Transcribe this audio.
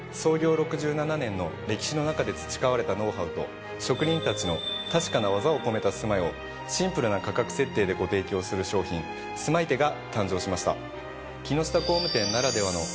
６７年の歴史の中で培われたノウハウと職人たちの確かな技を込めた住まいをシンプルな価格設定でご提供する商品ｓｍｉｔｅが誕生しました。